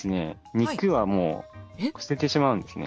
肉はもう捨ててしまうんですね。